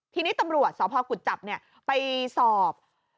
ทีนี้ตำรวจศพกุศ์จับเนี่ยไปสอบ